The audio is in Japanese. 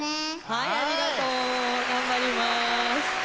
はいありがとう！頑張ります。